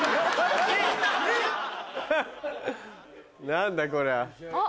何だこりゃあ。